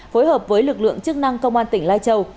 phối hợp với lực lượng chức năng công an tỉnh lai châu